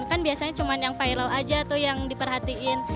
kan biasanya cuma yang viral aja tuh yang diperhatiin